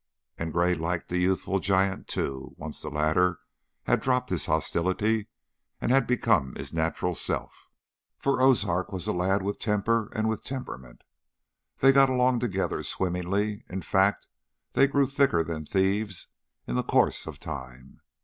And Gray liked the youthful giant, too, once the latter had dropped his hostility and had become his natural self, for Ozark was a lad with temper and with temperament. They got along together swimmingly; in fact, they grew thicker than thieves in the course of time.